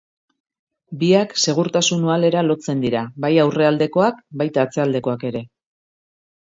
Biak segurtasun uhalera lotzen dira, bai aurrealdekoak baita atzealdekoak ere.